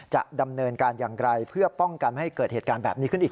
จะดำเนินการอย่างไรเพื่อป้องกันไม่ให้เกิดเหตุการณ์แบบนี้ขึ้นอีก